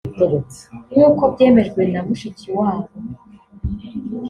nk’uko byemejwe na Mushikiwabo